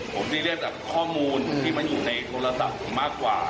ผมซีเรียสแบบข้อมูลที่มันอยู่ในโทรศัพท์ผมมากกว่า